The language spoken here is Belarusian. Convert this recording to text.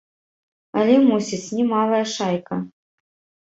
Але, мусіць, немалая шайка.